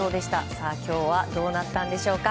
さあ、今日はどうなったんでしょうか。